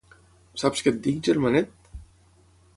Saps què et dic, germanet?